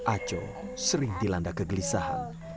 ajo sering dilanda kegelisahan